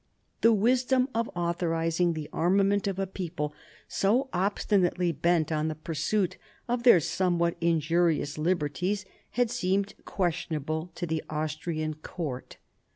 The wisdom of authorising the armament of a people so obstinately bent on the pursuit of their somewhat injurious liberties had seemed questionable to the Austrian court.